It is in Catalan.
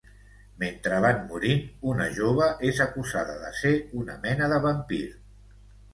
Mentre van morint, una jove és acusada de ser una mena de vampir.